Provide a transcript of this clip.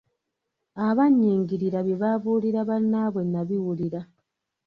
Abannyingirira bye babuulira bannaabwe nnabiwulira.